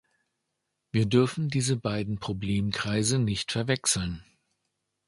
Wir dürfen diese beiden Problemkreise nicht verwechseln.